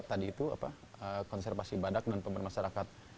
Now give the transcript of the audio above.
tadi itu konservasi badak dan pemerintah masyarakat